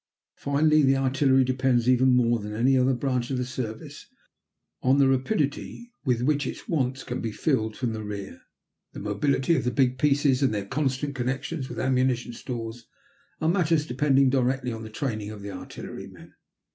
Finally, the artillery depends, even more than any other branch of the service, on the rapidity with which its wants can be filled from the rear. The mobility of the big pieces, and their constant connections with ammunition stores, are matters depending directly on the training of the artillerymen.